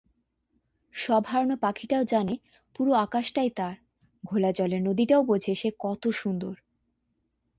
সব হারানো পাখিটাও জানে পুরো আকাশটাই তার, ঘোলাজলের নদীটাও বোঝে সে কত সুন্দর!